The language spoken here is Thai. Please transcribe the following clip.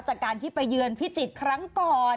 จากการที่ไปเยือนพิจิตรครั้งก่อน